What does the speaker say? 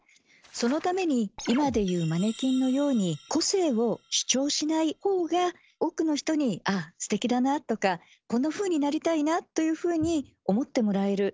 そのために今でいうマネキンのように個性を主張しないほうが多くの人に「ああすてきだな」とか「こんなふうになりたいな」というふうに思ってもらえる。